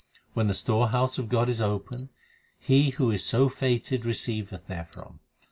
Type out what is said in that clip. When the storehouse of God is open, he who is so fated receiveth therefrom.